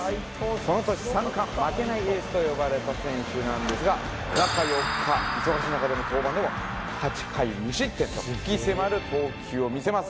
その年三冠参加負けないエースと呼ばれた選手なんですが中４日忙しい中での登板でも８回無失点と鬼気迫る投球を見せます。